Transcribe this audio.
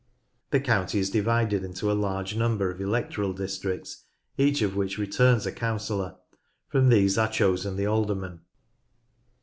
The county is divided into a large number of electoral districts, each of which returns a councillor: from these are chosen the aldermen.